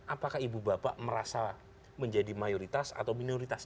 apakah ibu bapak merasa menjadi mayoritas atau minoritas